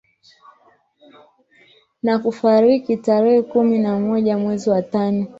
Na kufariki tarehe kumi na moja mwezi wa tano